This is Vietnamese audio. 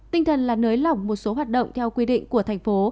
tinh thần là nới lỏng một số hoạt động theo quy định của thành phố